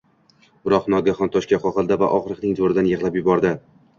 Biroq nogahon toshga qoqildi va og’riqning zo’ridan yig’lab yubordi.